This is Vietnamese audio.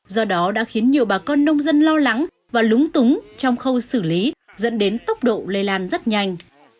do đó đã khiến nhiều bà con nông dân lo lắng và lúng túng trong khâu xử lý dẫn đến tốc độ lây lan rất nhanh